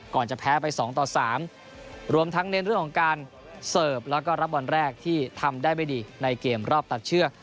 จะแพ้ไป๒ต่อ๓รวมทั้งเน้นเรื่องของการเสิร์ฟแล้วก็รับวันแรกที่ทำได้ไม่ดีในเกมรอบตัดเชือก